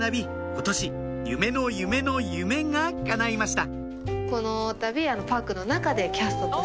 今年夢の夢の夢がかないました